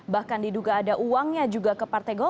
bahkan diduga ada uangnya juga ke partai golkar